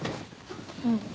うん。